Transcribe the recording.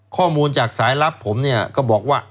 ข้อมูลจากศิลป์ผมก็บอกว่า